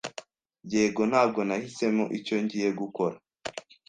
Yego, ntabwo nahisemo icyo ngiye gukora.